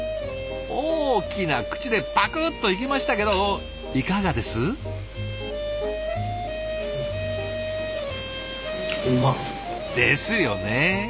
大きな口でパクッといきましたけどいかがです？ですよね！